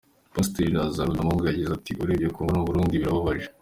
Pasiteri Lazaro Byamungu yagize ati “Urebye Congo n’u Burundi birababaje.